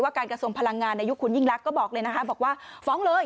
การกระทรวงพลังงานในยุคคุณยิ่งลักษณ์ก็บอกเลยนะคะบอกว่าฟ้องเลย